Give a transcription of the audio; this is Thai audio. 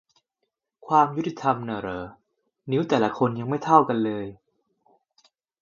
ความยุติธรรมนะเหรอ นิ้วแต่ละคนยังไม่เท่ากันเลย